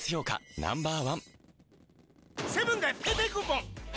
Ｎｏ．１